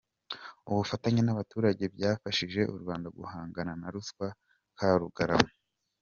Ubufatanye n’abaturage byafashije u Rwanda guhangana na ruswa Karugarama